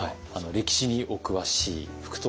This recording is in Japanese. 歴史にお詳しい服藤さんですから。